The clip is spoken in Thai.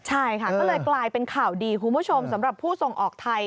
ใช่ค่ะก็เลยกลายเป็นข่าวดีคุณผู้ชมสำหรับผู้ส่งออกไทย